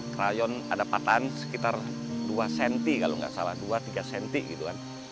crayon ada patan sekitar dua cm kalau tidak salah dua tiga cm gitu kan